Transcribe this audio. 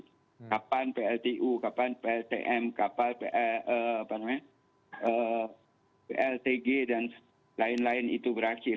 kapan pltu kapan pltm kapal pltg dan lain lain itu berakhir